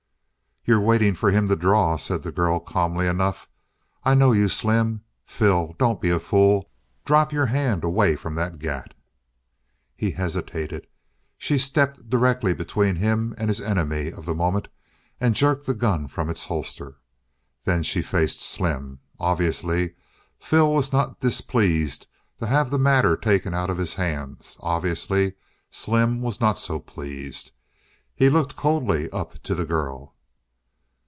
"You're waiting for him to draw," said the girl calmly enough. "I know you, Slim. Phil, don't be a fool. Drop your hand away from that gat!" He hesitated; she stepped directly between him and his enemy of the moment and jerked the gun from its holster. Then she faced Slim. Obviously Phil was not displeased to have the matter taken out of his hands; obviously Slim was not so pleased. He looked coldly up to the girl.